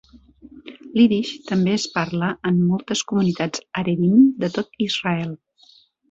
L'ídix també es parla en moltes comunitats haredim de tot Israel.